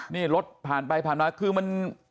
นี่รถผ่านไปผ่านมาคือมัน